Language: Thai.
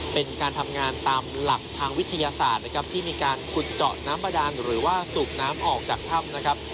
เป็นการทำงานตามหลักทางวิทยาศาสตร์นะครับที่มีการขุดเจาะน้ำบาดานหรือว่าสูบน้ำออกจากถ้ำนะครับ